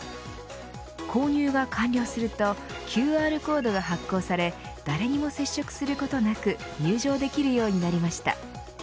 購入が完了するとＱＲコードが発行され誰にも接触することなく入場できるようになりました。